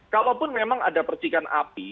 kalaupun memang ada percikan api